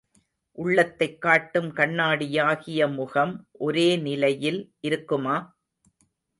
உள்ளத்தைக் காட்டும் கண்ணாடியாகிய முகம் ஒரே நிலையில் இருக்குமா?